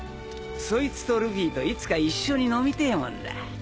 そいつとルフィといつか一緒に飲みてえもんだ。